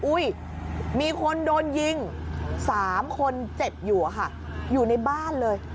มีคนโดนยิง๓คนเจ็บอยู่อะค่ะอยู่ในบ้านเลย